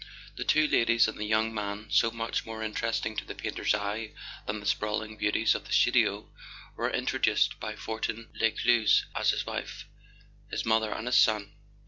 The two ladies and the young man—so much more interesting to the painter's eye than the sprawling beauties of the studio—were introduced by Fortin Lescluze as his wife, his mother and his son.